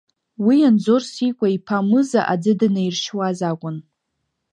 Уи Анзор Сикәа иԥа Мыза аӡы данаиршьуаз акәын.